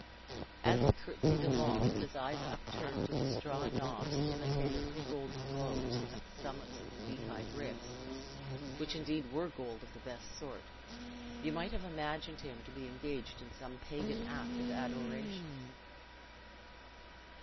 As he curtsied along, with his eyes upturned to the straw knobs imitative of golden globes at the summits of the beehive ricks, which indeed were gold of the best sort, you might have imagined him to be engaged in some pagan act of adoration.